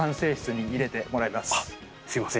すいません。